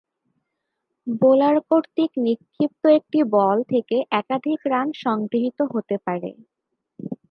Bowler কর্তৃক নিক্ষিপ্ত একটি বল থেকে একাধিক রান সংগৃহীত হতে পারে।